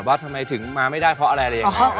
ว่าทำไมถึงมาไม่ได้เพราะอะไรอะไรอย่างนี้